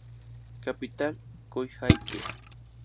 Capital: Coyhaique.